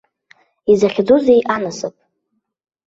Изахьӡузеи анасыԥ!